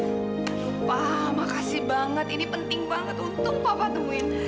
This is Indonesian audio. lupa makasih banget ini penting banget untuk papa temuin